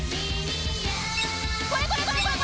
これこれこれこれ！